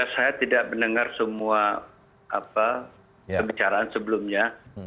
saya tidak mendengar semua pembicaraan sebelumnya